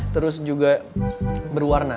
terus juga berwarna